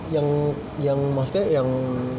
yang yang maksudnya yang